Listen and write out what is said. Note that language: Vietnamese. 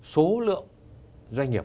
số lượng doanh nghiệp